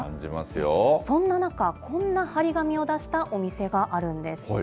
そんな中、こんな貼り紙を出したお店があるんです。